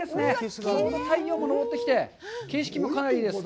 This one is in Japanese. ちょうど太陽も上ってきて、景色もかなりいいです。